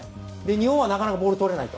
日本はなかなかボールがとれないと。